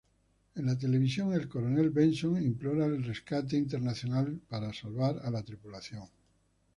En la televisión, el Coronel Benson implora al Rescate Internacional salvar a la tripulación.